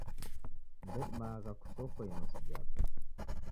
Ndedimagha kusokwa inosi jape.